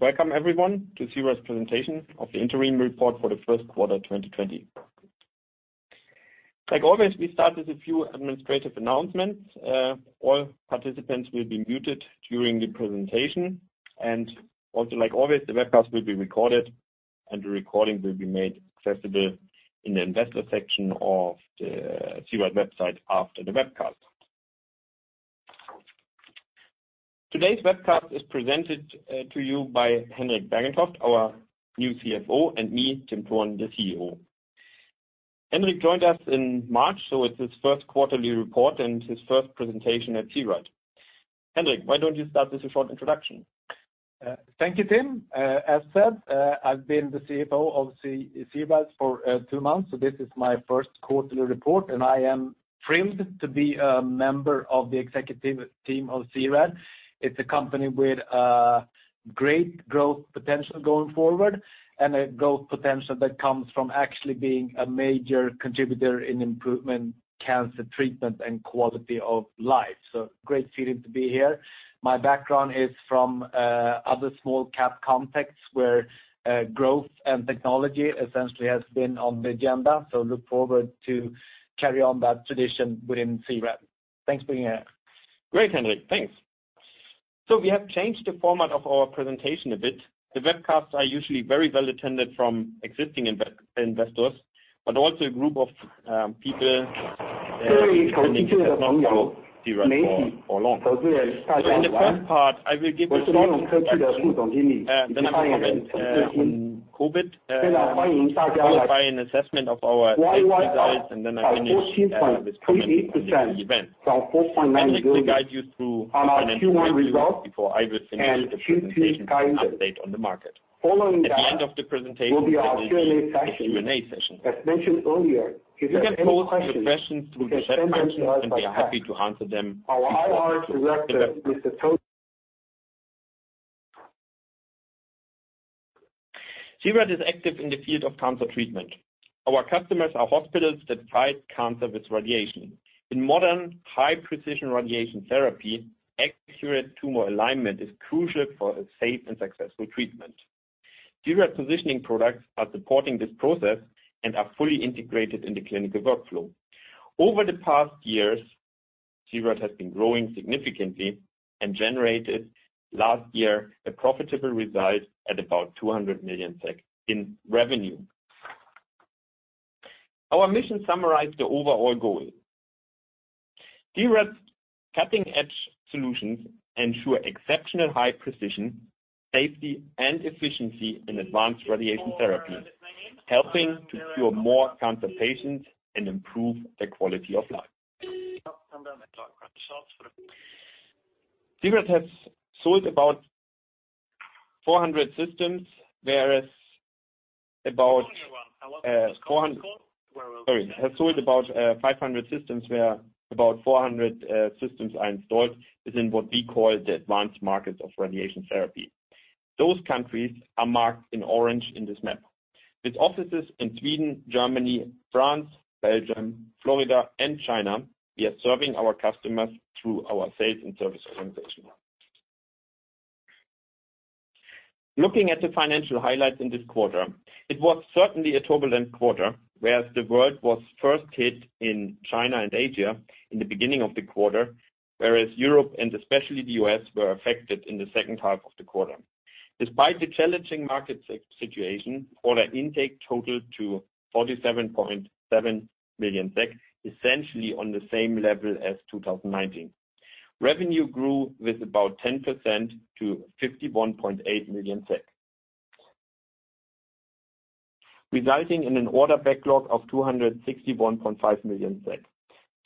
Welcome, everyone, to C-RAD's presentation of the Interim Report for the first quarter 2020. Like always, we start with a few administrative announcements. All participants will be muted during the presentation, and like always, the webcast will be recorded, and the recording will be made accessible in the investor section of the C-RAD website after the webcast. Today's webcast is presented to you by Henrik Bergentoft, our new CFO, and me, Tim Thurn, the CEO. Henrik joined us in March, so it's his first quarterly report and his first presentation at C-RAD. Henrik, why don't you start with a short introduction? Thank you, Tim. As said, I've been the CFO of C-RAD for two months, so this is my first quarterly report, and I am thrilled to be a member of the executive team of C-RAD. It's a company with great growth potential going forward and a growth potential that comes from actually being a major contributor in improving cancer treatment and quality of life. So great feeling to be here. My background is from other small-cap contexts where growth and technology essentially has been on the agenda, so I look forward to carrying on that tradition within C-RAD. Thanks for being here. Great, Henrik. Thanks so we have changed the format of our presentation a bit. The webcasts are usually very well attended from existing investors, but also a group of people. Sorry, continue. Who have been involved in C-RAD for a long time? So during the first part, I will give a short introduction and then I'll comment. And then I'll comment on COVID. I'll give an assessment of our insights, and then I'll finish. So 14.8%. From COVID-19. I'll briefly guide you through financial results before I will finish the presentation. Update on the market. Following that. At the end of the presentation, there will be a Q&A session. As mentioned earlier. You can post your questions through the chat function, and we are happy to answer them. Our IR director is the [distorted]. C-RAD is active in the field of cancer treatment. Our customers are hospitals that fight cancer with radiation. In modern high-precision radiation therapy, accurate tumor alignment is crucial for a safe and successful treatment. C-RAD's positioning products are supporting this process and are fully integrated in the clinical workflow. Over the past years, C-RAD has been growing significantly and generated last year a profitable result at about 200 million SEK in revenue. Our mission summarizes the overall goal. C-RAD's cutting-edge solutions ensure exceptional high precision, safety, and efficiency in advanced radiation therapy, helping to cure more cancer patients and improve their quality of life. C-RAD has sold about 400 systems. Sorry. Sorry. Has sold about 500 systems, where about 400 systems are installed within what we call the advanced market of radiation therapy. Those countries are marked in orange in this map. With offices in Sweden, Germany, France, Belgium, Florida, and China, we are serving our customers through our sales and service organization. Looking at the financial highlights in this quarter, it was certainly a turbulent quarter, whereas the world was first hit in China and Asia in the beginning of the quarter, whereas Europe and especially the U.S. were affected in the second half of the quarter. Despite the challenging market situation, order intake totaled to 47.7 million SEK, essentially on the same level as 2019. Revenue grew with about 10% to 51.8 million SEK, resulting in an order backlog of 261.5 million SEK.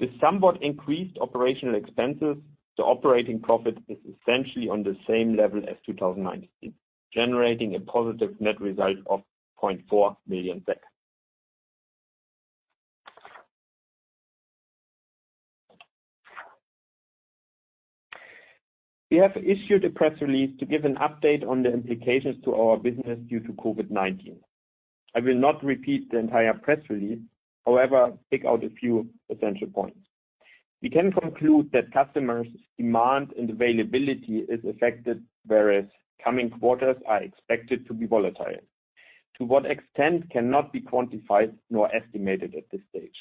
With somewhat increased operational expenses, the operating profit is essentially on the same level as 2019, generating a positive net result of 0.4 million SEK. We have issued a press release to give an update on the implications to our business due to COVID-19. I will not repeat the entire press release, however, I'll pick out a few essential points. We can conclude that customers' demand and availability are affected, whereas coming quarters are expected to be volatile. To what extent cannot be quantified nor estimated at this stage.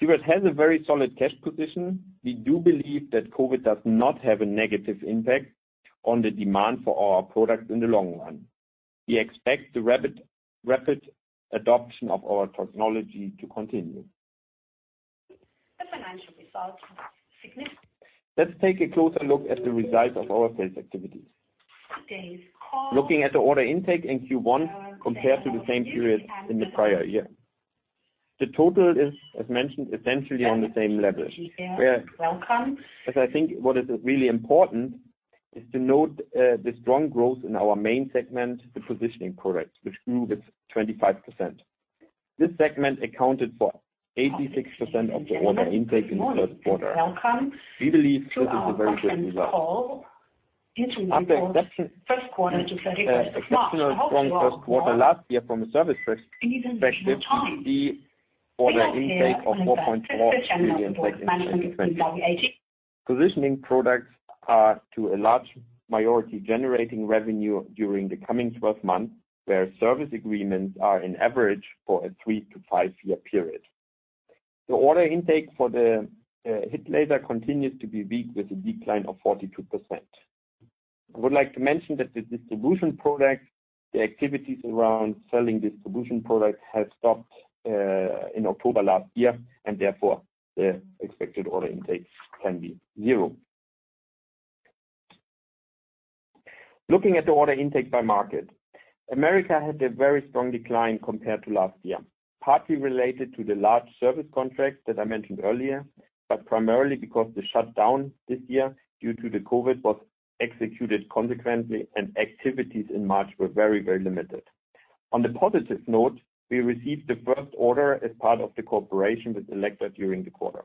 C-RAD has a very solid cash position. We do believe that COVID does not have a negative impact on the demand for our products in the long run. We expect the rapid adoption of our technology to continue. Let's take a closer look at the results of our sales activities. Looking at the order intake in Q1 compared to the same period in the prior year, the total is, as mentioned, essentially on the same level. As I think what is really important is to note the strong growth in our main segment, the positioning products, which grew with 25%. This segment accounted for 86% of the order intake in the first quarter. We believe this is a very good result. After an exceptional strong first quarter last year from a service perspective, the order intake of 4.4 million SEK in 2020. Positioning products are to a large majority generating revenue during the coming 12 months, where service agreements are in average for a 3 - 5 year period. The order intake for the HIT laser continues to be weak, with a decline of 42%. I would like to mention that the distribution products, the activities around selling distribution products, have stopped in October last year, and therefore the expected order intake can be zero. Looking at the order intake by market, America had a very strong decline compared to last year, partly related to the large service contracts that I mentioned earlier, but primarily because the shutdown this year due to COVID was executed consequently, and activities in March were very, very limited. On the positive note, we received the first order as part of the cooperation with Elekta during the quarter.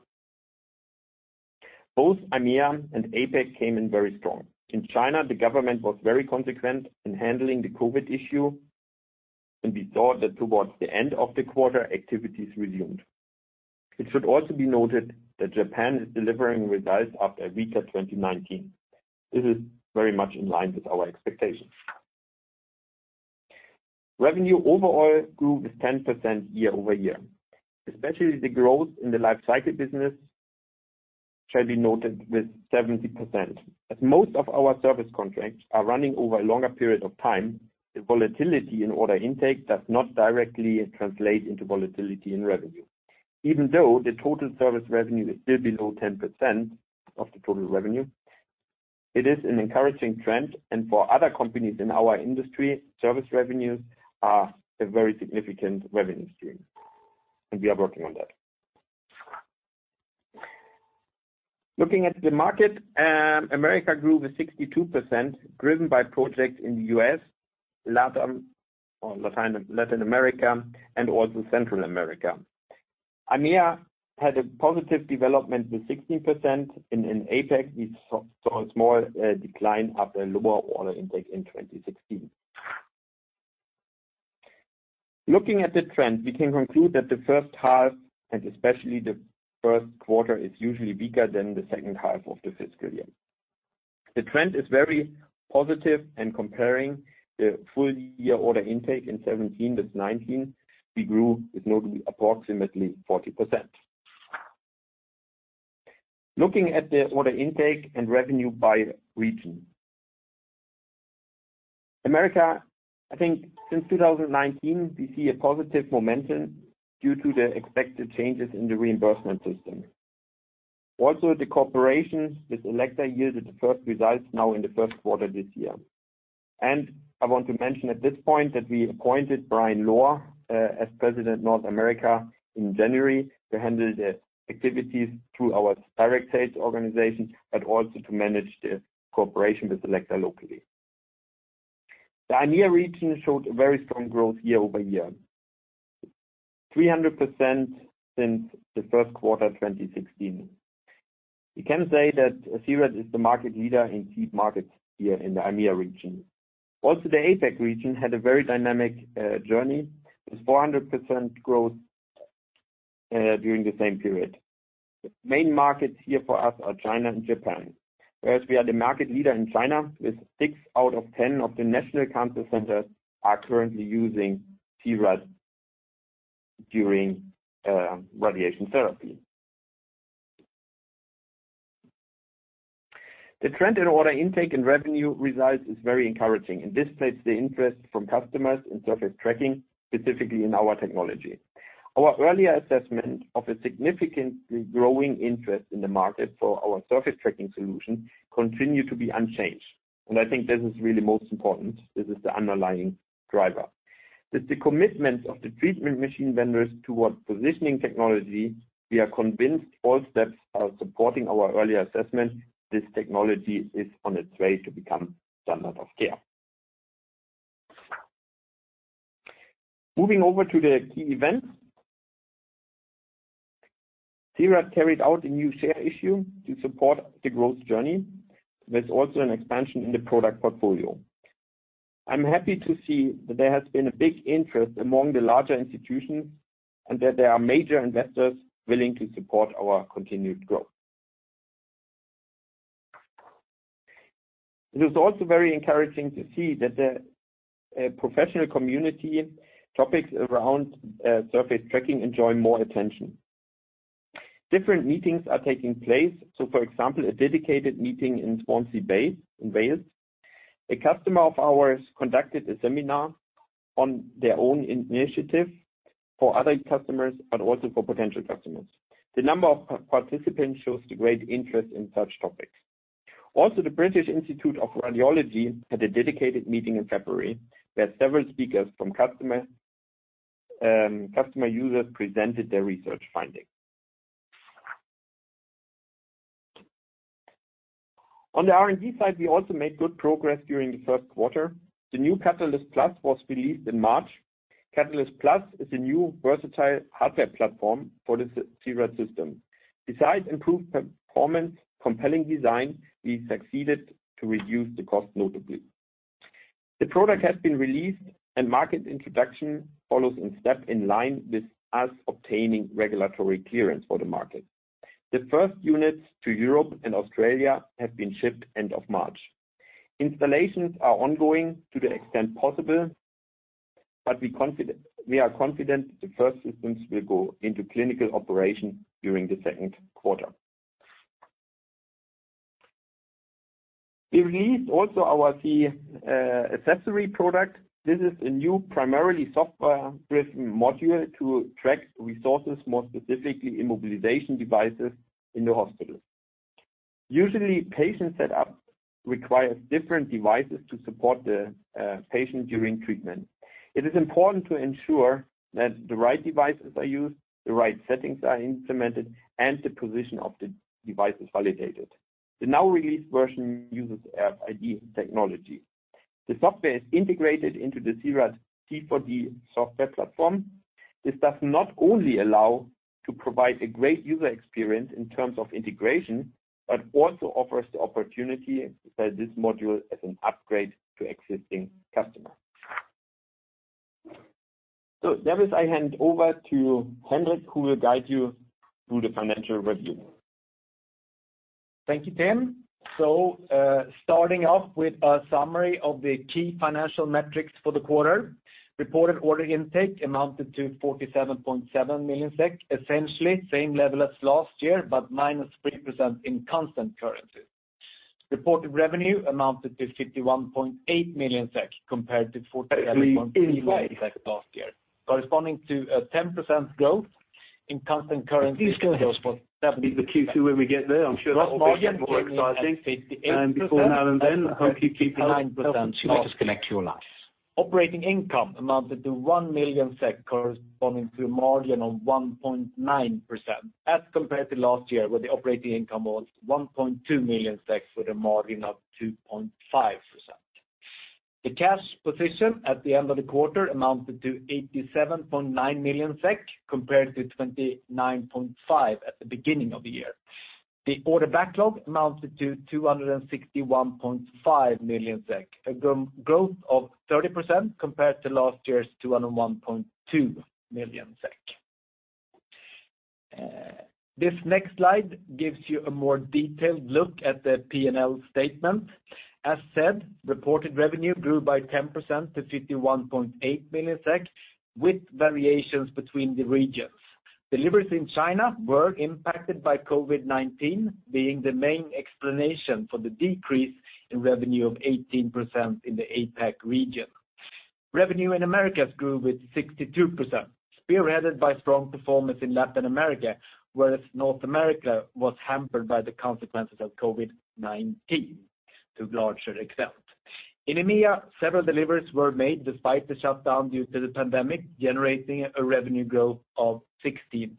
Both EMEA and APEC came in very strong. In China, the government was very consequent in handling the COVID issue, and we saw that towards the end of the quarter, activities resumed. It should also be noted that Japan is delivering results after a weaker 2019. This is very much in line with our expectations. Revenue overall grew with 10% year over year. Especially the growth in the life cycle business can be noted with 70%. As most of our service contracts are running over a longer period of time, the volatility in order intake does not directly translate into volatility in revenue. Even though the total service revenue is still below 10% of the total revenue, it is an encouraging trend, and for other companies in our industry, service revenues are a very significant revenue stream, and we are working on that. Looking at the market, America grew with 62%, driven by projects in the US, Latin America, and also Central America. EMEA had a positive development with 16%, and in APEC, we saw a small decline after a lower order intake in 2016. Looking at the trend, we can conclude that the first half, and especially the first quarter, is usually weaker than the second half of the fiscal year. The trend is very positive, and comparing the full year order intake in 2017 with 2019, we grew with approximately 40%. Looking at the order intake and revenue by region, America, I think since 2019, we see a positive momentum due to the expected changes in the reimbursement system. Also, the cooperation with Elekta yielded the first results now in the first quarter this year. And I want to mention at this point that we appointed Frank Lohr as President of North America in January to handle the activities through our direct sales organization, but also to manage the cooperation with Elekta locally. The EMEA region showed a very strong growth year over year, 300% since the first quarter 2016. We can say that C-RAD is the market leader in [seed] markets here in the EMEA region. Also, the APEC region had a very dynamic journey with 400% growth during the same period. Main markets here for us are China and Japan, whereas we are the market leader in China with six out of 10 of the national cancer centers currently using C-RAD during radiation therapy. The trend in order intake and revenue results is very encouraging, and this plays the interest from customers in surface tracking, specifically in our technology. Our earlier assessment of a significantly growing interest in the market for our surface tracking solution continues to be unchanged, and I think this is really most important. This is the underlying driver. With the commitment of the treatment machine vendors toward positioning technology, we are convinced all steps are supporting our earlier assessment. This technology is on its way to become standard of care. Moving over to the key events, C-RAD carried out a new share issue to support the growth journey. There's also an expansion in the product portfolio. I'm happy to see that there has been a big interest among the larger institutions and that there are major investors willing to support our continued growth. It is also very encouraging to see that the professional community topics around surface tracking enjoy more attention. Different meetings are taking place, so for example a dedicated meeting in Swansea Bay in Wales. A customer of ours conducted a seminar on their own initiative for other customers, but also for potential customers. The number of participants shows the great interest in such topics. Also, the British Institute of Radiology had a dedicated meeting in February where several speakers from customer users presented their research findings. On the R&D side, we also made good progress during the first quarter. The new Catalyst+ was released in March. Catalyst+ is a new versatile hardware platform for the C-RAD system. Besides improved performance and compelling design, we succeeded to reduce the cost notably. The product has been released, and market introduction follows in step in line with us obtaining regulatory clearance for the market. The first units to Europe and Australia have been shipped end of March. Installations are ongoing to the extent possible, but we are confident the first systems will go into clinical operation during the second quarter. We released also our key accessory product. This is a new primarily software-driven module to track resources, more specifically immobilization devices in the hospitals. Usually, patient setup requires different devices to support the patient during treatment. It is important to ensure that the right devices are used, the right settings are implemented, and the position of the device is validated. The now released version uses RFID technology. The software is integrated into the C-RAD c4D software platform. This does not only allow us to provide a great user experience in terms of integration, but also offers the opportunity to sell this module as an upgrade to existing customers. So that is, I hand over to Henrik, who will guide you through the financial review. Thank you, Tim. So starting off with a summary of the key financial metrics for the quarter, reported order intake amounted to 47.7 million SEK, essentially the same level as last year, but minus 3% in constant currency. Reported revenue amounted to 51.8 million SEK compared to 47.7 million SEK last year, corresponding to a 10% growth in constant currency for seven years. Is the Q2 when we get there? I'm sure that will be more exciting, and before now and then, I hope you keep an eye on the chart. Let us connect your line. Operating income amounted to 1 million SEK, corresponding to a margin of 1.9% as compared to last year, where the operating income was 1.2 million SEK with a margin of 2.5%. The cash position at the end of the quarter amounted to 87.9 million SEK compared to 29.5 million SEK at the beginning of the year. The order backlog amounted to 261.5 million SEK, a growth of 30% compared to last year's 201.2 million SEK. This next slide gives you a more detailed look at the P&L statement. As said, reported revenue grew by 10% to 51.8 million SEK, with variations between the regions. Deliveries in China were impacted by COVID-19, being the main explanation for the decrease in revenue of 18% in the APEC region. Revenue in America grew with 62%, spearheaded by strong performance in Latin America, whereas North America was hampered by the consequences of COVID-19 to a larger extent. In EMEA, several deliveries were made despite the shutdown due to the pandemic, generating a revenue growth of 16%.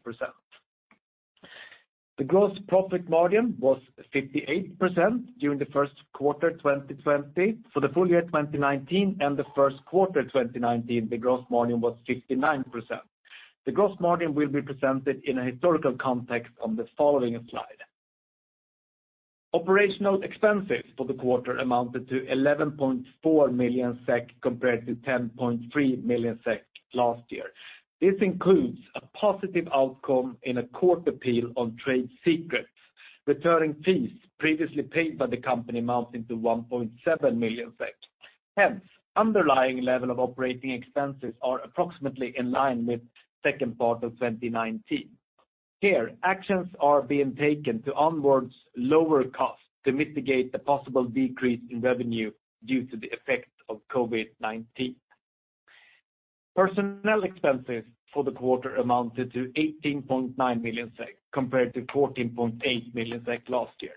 The gross profit margin was 58% during the first quarter 2020. For the full year 2019 and the first quarter 2019, the gross margin was 59%. The gross margin will be presented in a historical context on the following slide. Operational expenses for the quarter amounted to 11.4 million SEK compared to 10.3 million SEK last year. This includes a positive outcome in a court appeal on trade secrets. Returning fees previously paid by the company amounted to 1.7 million SEK. Hence, the underlying level of operating expenses is approximately in line with the second part of 2019. Here, actions are being taken to onboard lower costs to mitigate the possible decrease in revenue due to the effect of COVID-19. Personnel expenses for the quarter amounted to 18.9 million SEK compared to 14.8 million SEK last year.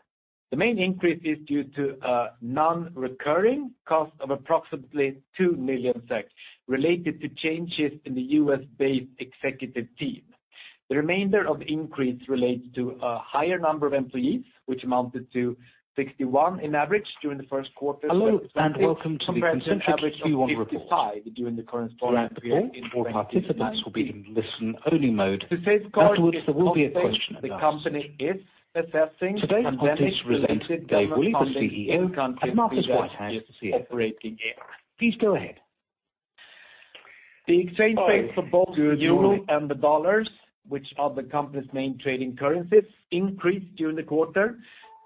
The main increase is due to a non-recurring cost of approximately 2 million SEK related to changes in the U.S.-based executive team. The remainder of the increase relates to a higher number of employees, which amounted to 61 in average during the first quarter. Hello, and welcome to the C-RAD Q1 report. During the conference call, all participants will be in listen-only mode. Afterwards, there will be a Q&A on the company's assessment of pandemic-related deliveries. The CEO will now begin. Please go ahead. The exchange rates for both the euro and the dollars, which are the company's main trading currencies, increased during the quarter.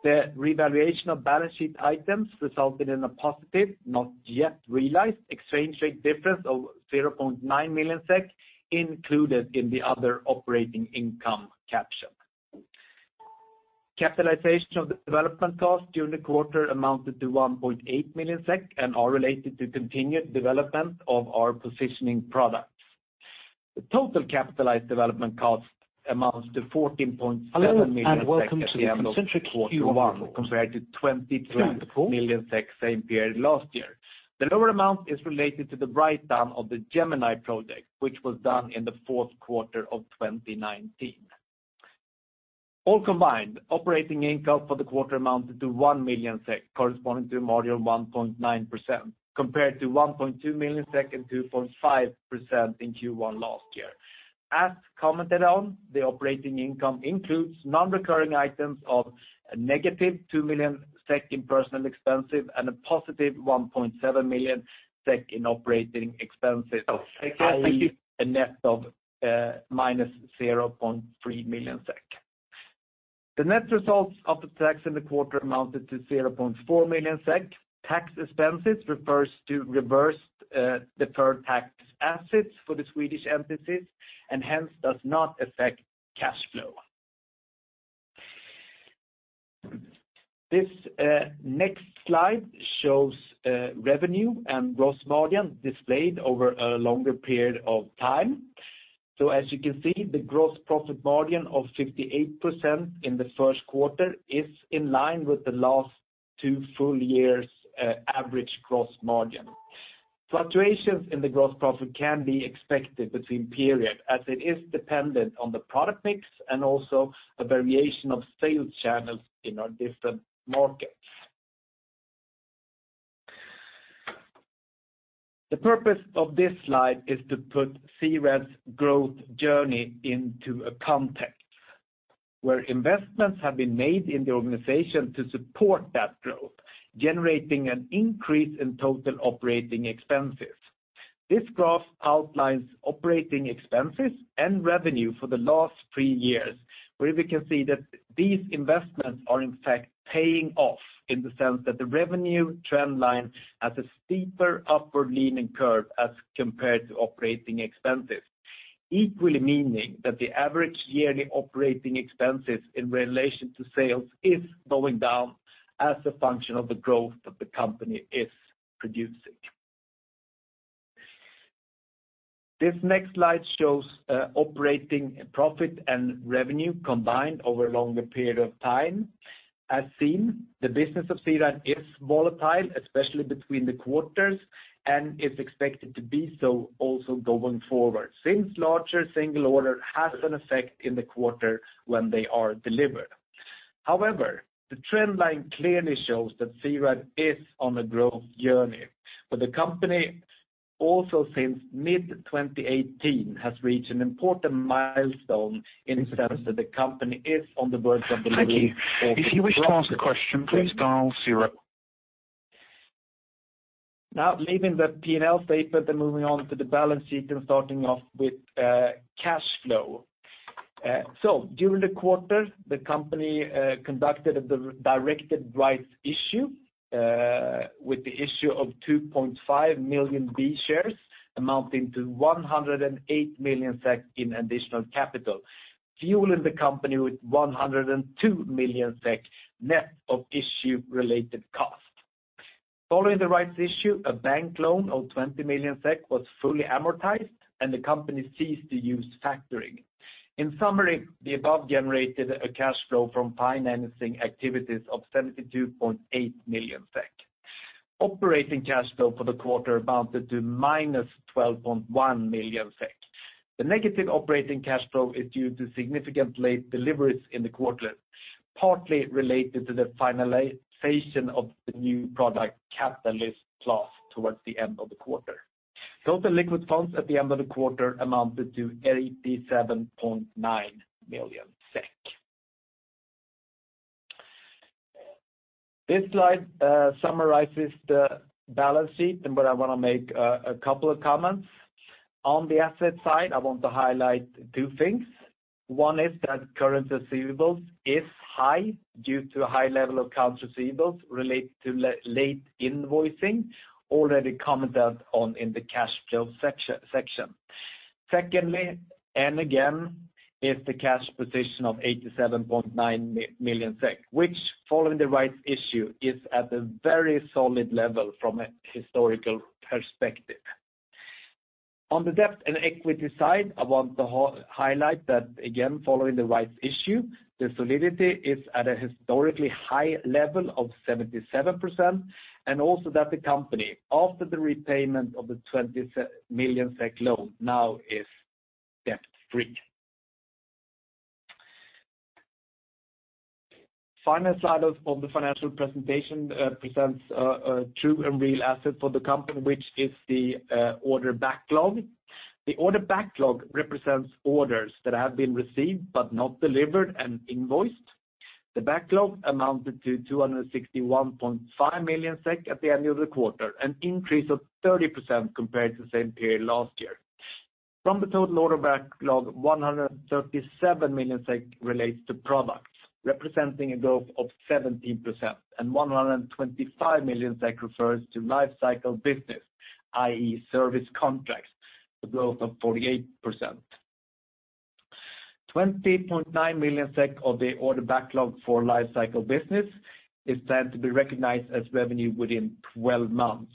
The revaluation of balance sheet items resulted in a positive, not yet realized, exchange rate difference of 0.9 million SEK included in the other operating income caption. Capitalization of the development costs during the quarter amounted to 1.8 million SEK and are related to the continued development of our positioning products. The total capitalized development cost amounts to 14.7 million SEK compared to 22 million SEK same period last year. The lower amount is related to the write-downof the Gemini project, which was done in the fourth quarter of 2019. All combined, operating income for the quarter amounted to 1 million SEK, corresponding to a margin of 1.9% compared to 1.2 million SEK and 2.5% in Q1 last year. As commented on, the operating income includes non-recurring items of a negative 2 million SEK in personal expenses and a positive 1.7 million SEK in operating expenses, a net of minus 0.3 million SEK. The net results of the tax in the quarter amounted to 0.4 million SEK. Tax expenses refer to reverse-deferred tax assets for the Swedish entities and hence do not affect cash flow. This next slide shows revenue and gross margin displayed over a longer period of time. So, as you can see, the gross profit margin of 58% in the first quarter is in line with the last two full years' average gross margin. Fluctuations in the gross profit can be expected between periods as it is dependent on the product mix and also a variation of sales channels in our different markets. The purpose of this slide is to put C-RAD's growth journey into a context where investments have been made in the organization to support that growth, generating an increase in total operating expenses. This graph outlines operating expenses and revenue for the last three years, where we can see that these investments are, in fact, paying off in the sense that the revenue trend line has a steeper upward-leaning curve as compared to operating expenses, equally meaning that the average yearly operating expenses in relation to sales is going down as a function of the growth that the company is producing. This next slide shows operating profit and revenue combined over a longer period of time. As seen, the business of C-RAD is volatile, especially between the quarters, and is expected to be so also going forward since larger single orders have an effect in the quarter when they are delivered. However, the trend line clearly shows that C-RAD is on a growth journey, but the company also, since mid-2018, has reached an important milestone in the sense that the company is on the verge of delivering all its operating expenses. If you wish to ask a question, please dial 0. Now, leaving the P&L statement and moving on to the balance sheet and starting off with cash flow. So, during the quarter, the company conducted a directed rights issue with the issue of 2.5 million B shares amounting to 108 million SEK in additional capital, fueling the company with 102 million SEK net of issue-related costs. Following the rights issue, a bank loan of 20 million SEK was fully amortized, and the company ceased to use factoring. In summary, the above generated a cash flow from financing activities of 72.8 million SEK. Operating cash flow for the quarter amounted to minus 12.1 million SEK. The negative operating cash flow is due to significant late deliveries in the quarter, partly related to the finalization of the new product Catalyst Plus towards the end of the quarter. Total liquid funds at the end of the quarter amounted to 87.9 million SEK. This slide summarizes the balance sheet, and I want to make a couple of comments. On the asset side, I want to highlight two things. One is that current receivables are high due to a high level of customer receivables related to late invoicing, already commented on in the cash flow section. Secondly, and again, is the cash position of 87.9 million SEK, which, following the rights issue, is at a very solid level from a historical perspective. On the debt and equity side, I want to highlight that, again, following the rights issue, the solidity is at a historically high level of 77%, and also that the company, after the repayment of the 20 million SEK loan, now is debt-free. The final slide of the financial presentation presents a true and real asset for the company, which is the order backlog. The order backlog represents orders that have been received but not delivered and invoiced. The backlog amounted to 261.5 million SEK at the end of the quarter, an increase of 30% compared to the same period last year. From the total order backlog, 137 million SEK relates to products, representing a growth of 17%, and 125 million SEK refers to lifecycle business, i.e., service contracts, a growth of 48%. 20.9 million SEK of the order backlog for lifecycle business is planned to be recognized as revenue within 12 months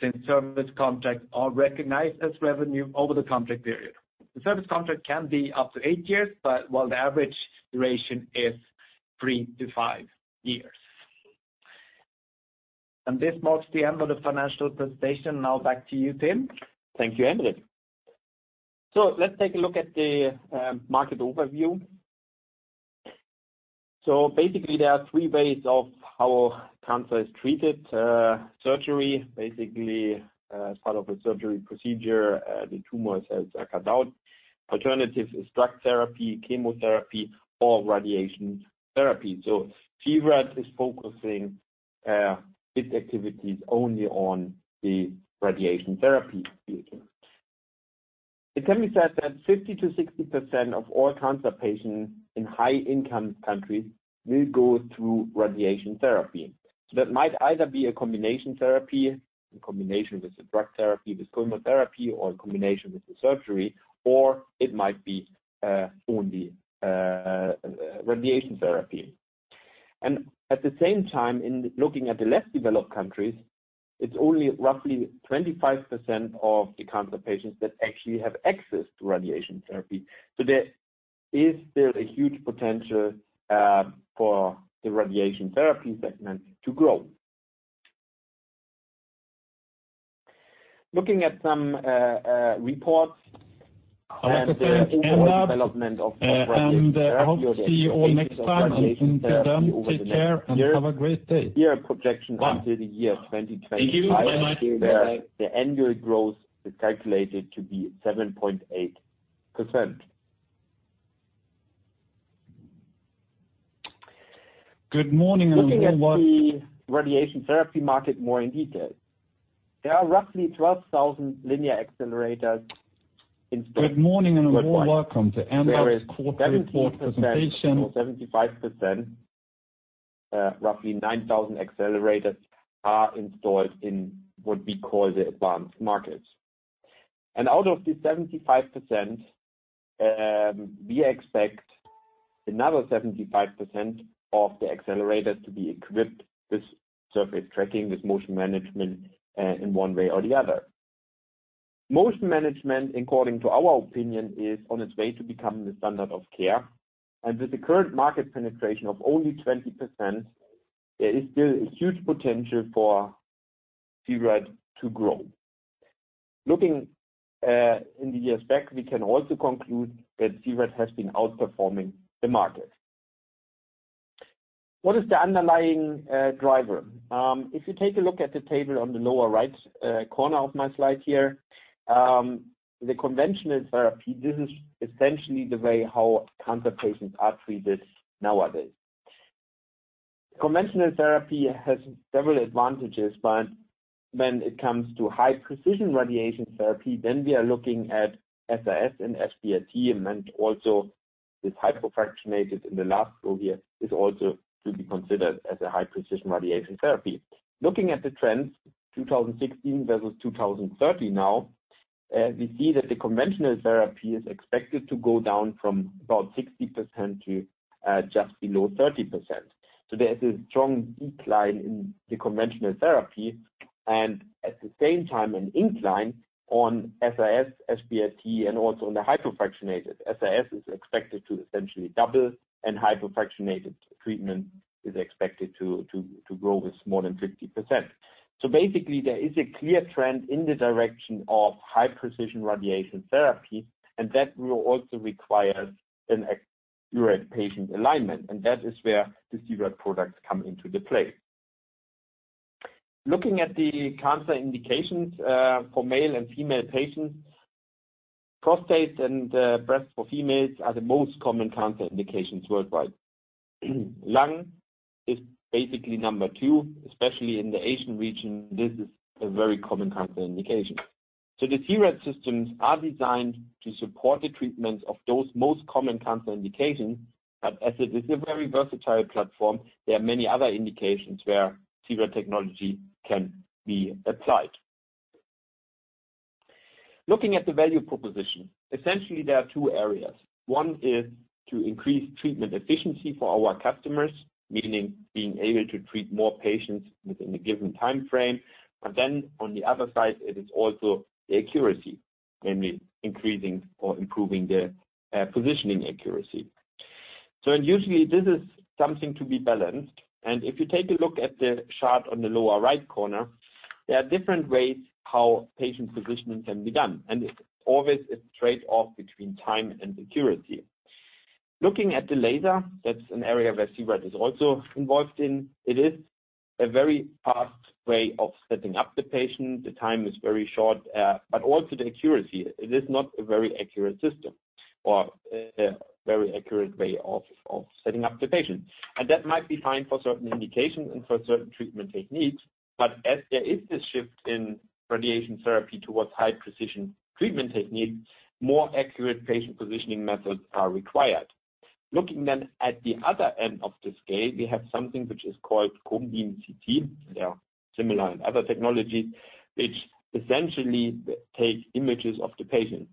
since service contracts are recognized as revenue over the contract period. The service contract can be up to eight years, but while the average duration is three to five years. And this marks the end of the financial presentation. Now, back to you, Tim. Thank you, Henrik. So let's take a look at the market overview. So basically, there are three ways of how cancer is treated: surgery, basically as part of a surgery procedure, the tumor cells are cut out. Alternatives are drug therapy, chemotherapy, or radiation therapy. So C-RAD is focusing its activities only on the radiation therapy field. It can be said that 50%-60% of all cancer patients in high-income countries will go through radiation therapy. So that might either be a combination therapy, a combination with the drug therapy, with chemotherapy, or a combination with the surgery, or it might be only radiation therapy. And at the same time, in looking at the less developed countries, it's only roughly 25% of the cancer patients that actually have access to radiation therapy. So there is still a huge potential for the radiation therapy segment to grow. Looking at some reports and the development of radiation therapy, the. I hope to see you all next time and thank you for being here, and have a great day. Year projection until the year 2025. Thank you very much. The annual growth is calculated to be 7.8%. Good morning, and welcome. Looking at the radiation therapy market more in detail, there are roughly 12,000 linear accelerators installed. Good morning, and welcome to C-RAD's quarterly report presentation. 75%, roughly 9,000 accelerators are installed in what we call the advanced markets. And out of this 75%, we expect another 75% of the accelerators to be equipped with surface tracking, with motion management in one way or the other. Motion management, according to our opinion, is on its way to becoming the standard of care. And with the current market penetration of only 20%, there is still a huge potential for C-RAD to grow. Looking in the years back, we can also conclude that C-RAD has been outperforming the market. What is the underlying driver? If you take a look at the table on the lower right corner of my slide here, the conventional therapy, this is essentially the way how cancer patients are treated nowadays. Conventional therapy has several advantages, but when it comes to high-precision radiation therapy, then we are looking at SRS and SBRT, and also this hypofractionated in the last row here is also to be considered as a high-precision radiation therapy. Looking at the trends, 2016 versus 2030 now, we see that the conventional therapy is expected to go down from about 60% to just below 30%. So there is a strong decline in the conventional therapy, and at the same time, an incline on SRS, SBRT, and also on the hypofractionated. SRS is expected to essentially double, and hypofractionated treatment is expected to grow with more than 50%. So basically, there is a clear trend in the direction of high-precision radiation therapy, and that also requires an accurate patient alignment. And that is where the C-RAD products come into play. Looking at the cancer indications for male and female patients, prostate and breast for females are the most common cancer indications worldwide. Lung is basically number two, especially in the Asian region. This is a very common cancer indication. So the C-RAD systems are designed to support the treatment of those most common cancer indications, but as it is a very versatile platform, there are many other indications where C-RAD technology can be applied. Looking at the value proposition, essentially, there are two areas. One is to increase treatment efficiency for our customers, meaning being able to treat more patients within a given time frame. But then on the other side, it is also the accuracy, namely increasing or improving the positioning accuracy. So usually, this is something to be balanced. If you take a look at the chart on the lower right corner, there are different ways how patient positioning can be done, and it always is a trade-off between time and accuracy. Looking at the laser, that's an area where C-RAD is also involved in. It is a very fast way of setting up the patient. The time is very short, but also the accuracy. It is not a very accurate system or a very accurate way of setting up the patient. That might be fine for certain indications and for certain treatment techniques, but as there is this shift in radiation therapy towards high-precision treatment techniques, more accurate patient positioning methods are required. Looking then at the other end of the scale, we have something which is called Cone Beam CT, similar in other technologies, which essentially takes images of the patient.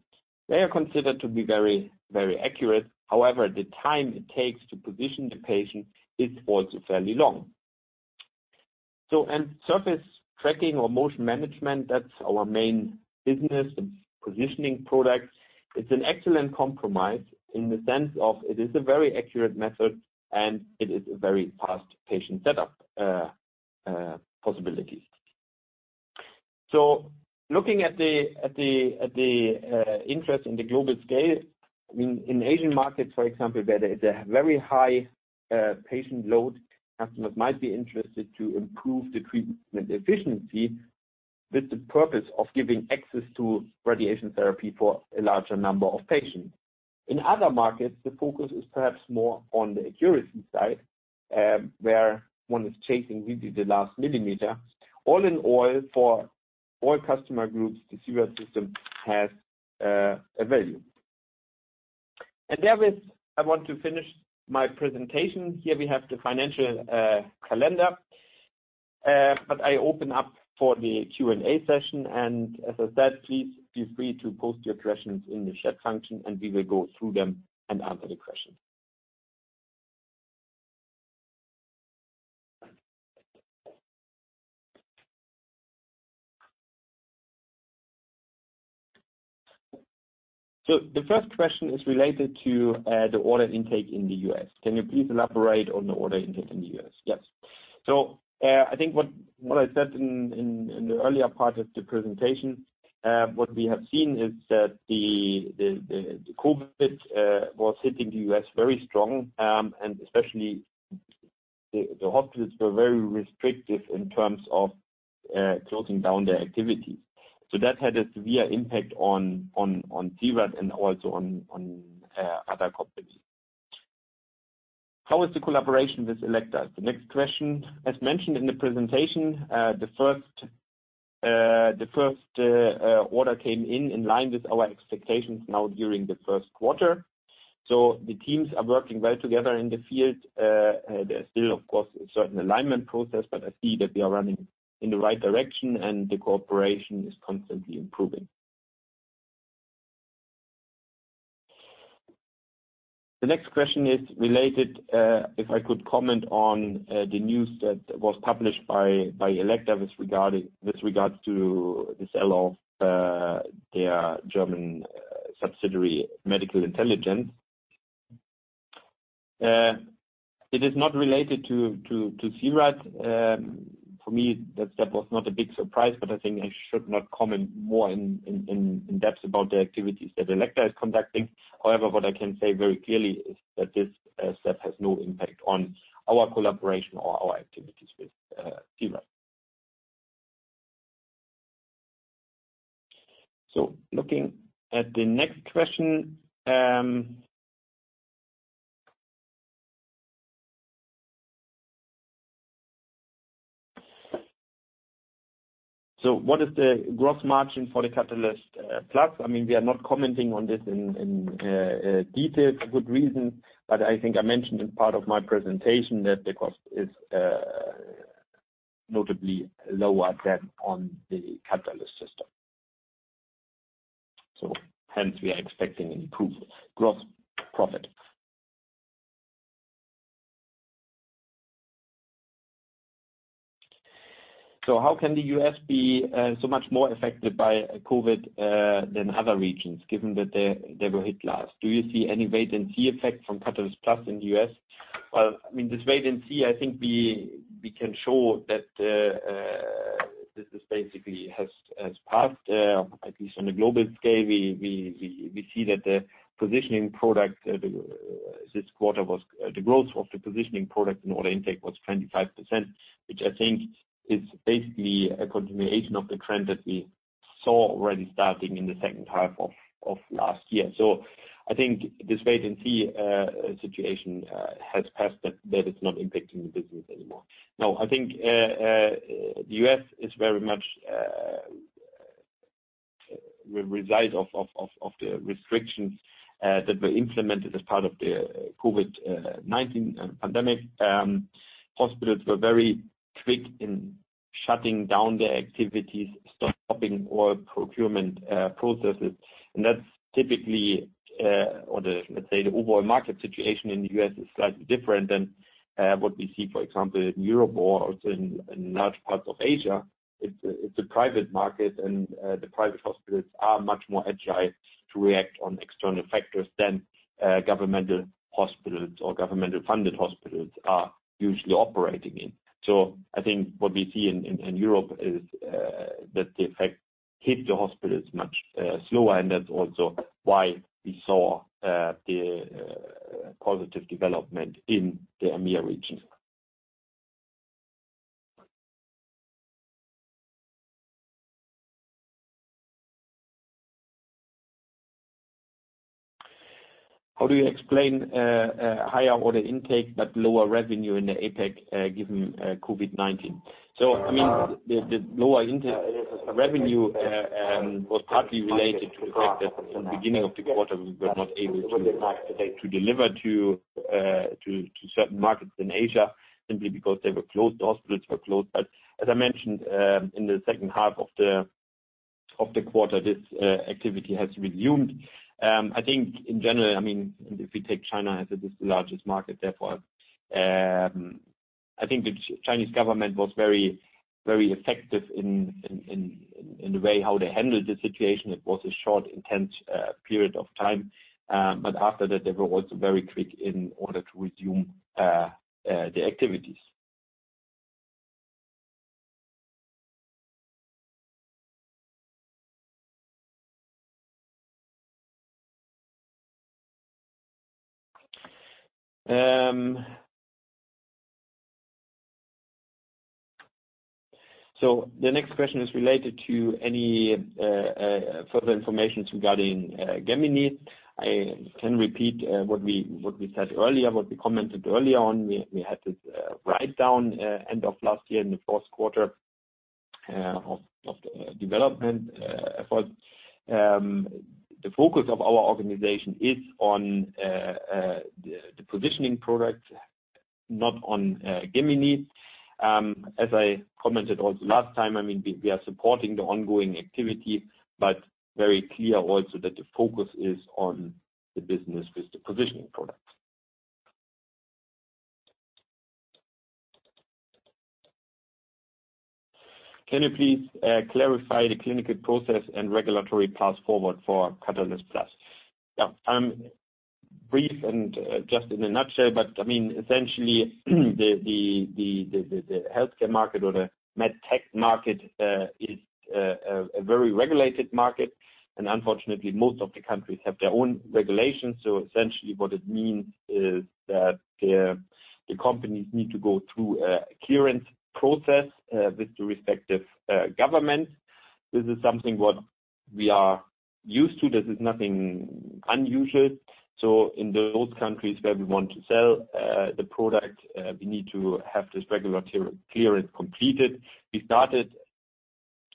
They are considered to be very, very accurate. However, the time it takes to position the patient is also fairly long, so surface tracking or motion management, that's our main business, the positioning product. It's an excellent compromise in the sense of it is a very accurate method, and it is a very fast patient setup possibility, so looking at the interest in the global scale, in Asian markets, for example, where there is a very high patient load, customers might be interested to improve the treatment efficiency with the purpose of giving access to radiation therapy for a larger number of patients. In other markets, the focus is perhaps more on the accuracy side, where one is chasing really the last millimeter. All in all, for all customer groups, the C-RAD system has a value, and therewith, I want to finish my presentation. Here we have the financial calendar, but I open up for the Q&A session, and as I said, please feel free to post your questions in the chat function, and we will go through them and answer the questions, so the first question is related to the order intake in the U.S. Can you please elaborate on the order intake in the U.S.? Yes, so I think what I said in the earlier part of the presentation, what we have seen is that the COVID was hitting the U.S. very strong, and especially the hospitals were very restrictive in terms of closing down their activities. So that had a severe impact on C-RAD and also on other companies. How is the collaboration with Elekta? The next question, as mentioned in the presentation, the first order came in line with our expectations now during the first quarter. So the teams are working well together in the field. There's still, of course, a certain alignment process, but I see that they are running in the right direction, and the cooperation is constantly improving. The next question is related, if I could comment on the news that was published by Elekta with regards to the sale of their German subsidiary, Medical Intelligence. It is not related to C-RAD. For me, that step was not a big surprise, but I think I should not comment more in depth about the activities that Elekta is conducting. However, what I can say very clearly is that this step has no impact on our collaboration or our activities with C-RAD. So looking at the next question. So what is the gross margin for the Catalyst Plus? I mean, we are not commenting on this in detail for good reason, but I think I mentioned in part of my presentation that the cost is notably lower than on the Catalyst system. So hence, we are expecting improved gross profit. So how can the U.S. be so much more affected by COVID than other regions, given that they were hit last? Do you see any latency effect from Catalyst Plus in the U.S.? Well, I mean, this latency, I think we can show that this basically has passed, at least on the global scale. We see that the growth of the positioning product in order intake this quarter was 25%, which I think is basically a continuation of the trend that we saw already starting in the second half of last year. So I think this latency situation has passed that it's not impacting the business anymore. Now, I think the U.S. is very much a result of the restrictions that were implemented as part of the COVID-19 pandemic. Hospitals were very quick in shutting down their activities, stopping all procurement processes. And that's typically, or let's say the overall market situation in the U.S. is slightly different than what we see, for example, in Europe or in large parts of Asia. It's a private market, and the private hospitals are much more agile to react on external factors than governmental hospitals or governmental-funded hospitals are usually operating in. So I think what we see in Europe is that the effect hit the hospitals much slower, and that's also why we saw the positive development in the EMEA region. How do you explain higher order intake but lower revenue in the APEC given COVID-19? So I mean, the lower revenue was partly related to the fact that in the beginning of the quarter, we were not able to deliver to certain markets in Asia simply because they were closed. The hospitals were closed. But as I mentioned, in the second half of the quarter, this activity has resumed. I think in general, I mean, if we take China as it is the largest market, therefore, I think the Chinese government was very effective in the way how they handled the situation. It was a short, intense period of time, but after that, they were also very quick in order to resume the activities. So the next question is related to any further information regarding Gemini. I can repeat what we said earlier, what we commented earlier on. We had this write-down end of last year in the fourth quarter of development efforts. The focus of our organization is on the positioning products, not on Gemini. As I commented also last time, I mean, we are supporting the ongoing activity, but very clear also that the focus is on the business with the positioning products. Can you please clarify the clinical process and regulatory path forward for Catalyst Plus? Yeah. Brief and just in a nutshell, but I mean, essentially, the healthcare market or the med tech market is a very regulated market, and unfortunately, most of the countries have their own regulations. So essentially, what it means is that the companies need to go through a clearance process with the respective governments. This is something what we are used to. This is nothing unusual. So in those countries where we want to sell the product, we need to have this regulatory clearance completed. We started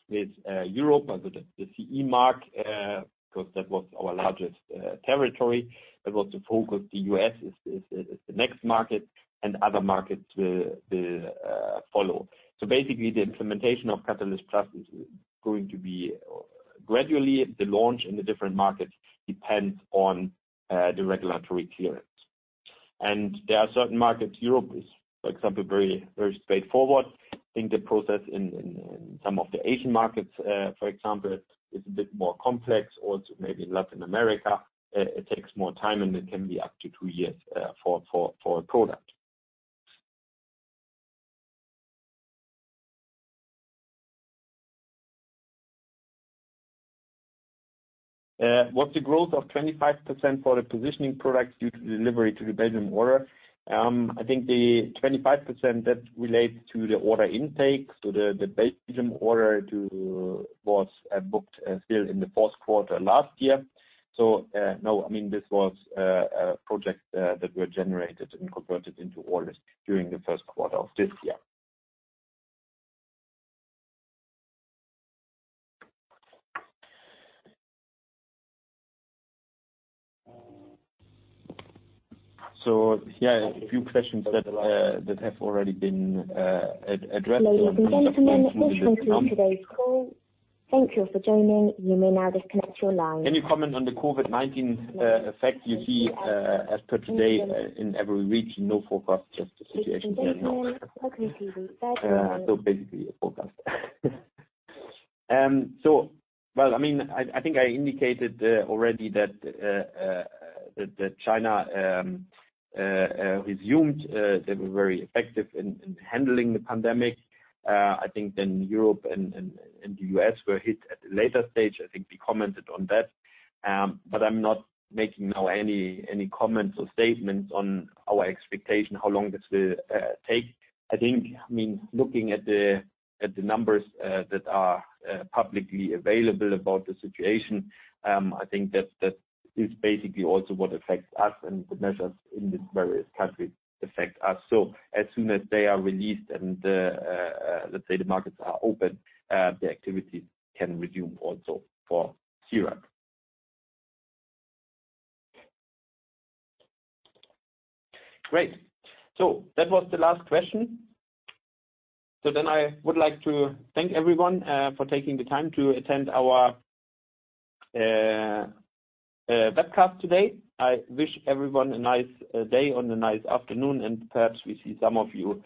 with Europe, the CE mark, because that was our largest territory. It was the focus. The U.S. is the next market, and other markets will follow. So basically, the implementation of Catalyst Plus is going to be gradually. The launch in the different markets depends on the regulatory clearance. And there are certain markets. Europe is, for example, very straightforward. I think the process in some of the Asian markets, for example, is a bit more complex. Also, maybe in Latin America, it takes more time, and it can be up to two years for a product. Was the growth of 25% for the positioning products due to delivery to the Belgium order? I think the 25%, that relates to the order intake. So the Belgium order was booked still in the fourth quarter last year. So no, I mean, this was a project that was generated and converted into orders during the first quarter of this year. So yeah, a few questions that have already been addressed. Hello. Thank you for joining today's call. Thank you for joining. You may now disconnect your line. Can you comment on the COVID-19 effect you see as per today in every region? No forecast, just the situation here. No. Okay, Steven. So basically, a forecast. So well, I mean, I think I indicated already that China resumed. They were very effective in handling the pandemic. I think then Europe and the U.S. were hit at a later stage. I think we commented on that, but I'm not making now any comments or statements on our expectation, how long this will take. I think, I mean, looking at the numbers that are publicly available about the situation, I think that is basically also what affects us, and the measures in these various countries affect us. So as soon as they are released and, let's say, the markets are open, the activities can resume also for C-RAD. Great. So that was the last question. So then I would like to thank everyone for taking the time to attend our webcast today. I wish everyone a nice day and a nice afternoon, and perhaps we see some of you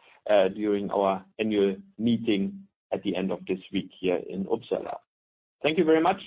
during our annual meeting at the end of this week here in Uppsala. Thank you very much.